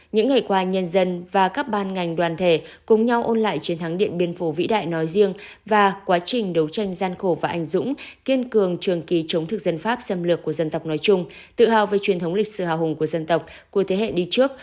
những ngày qua nhân dân và các ban ngành đoàn thể cùng nhau ôn lại chiến thắng điện biên phủ vĩ đại nói riêng và quá trình đấu tranh gian khổ và ảnh dũng kiên cường trường kỳ chống thực dân pháp xâm lược của dân tộc nói chung tự hào về truyền thống lịch sử hào hùng của dân tộc của thế hệ đi trước